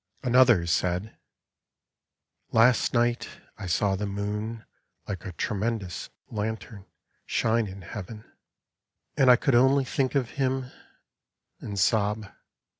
Another said :Last night I saw the moon Like a tremendous lantern shine in heaven. BEYOND THE STARS And I could only think of him — and sob.